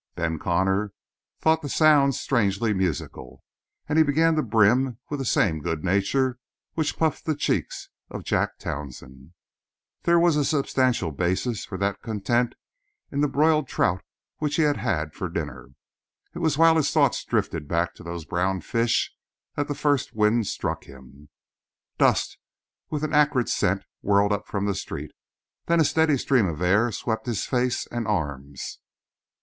Ben Connor thought the sounds strangely musical, and he began to brim with the same good nature which puffed the cheeks of Jack Townsend. There was a substantial basis for that content in the broiled trout which he had had for dinner. It was while his thoughts drifted back to those browned fish that the first wind struck him. Dust with an acrid scent whirled up from the street then a steady stream of air swept his face and arms.